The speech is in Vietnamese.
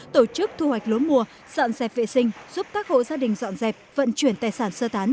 tổ chức thu hoạch lúa mùa dọn dẹp vệ sinh giúp các hộ gia đình dọn dẹp vận chuyển tài sản sơ tán